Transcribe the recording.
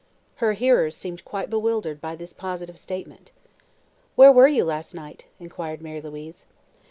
Her hearers seemed quite bewildered by this positive statement. "Where were you last night?" inquired Mary Louise.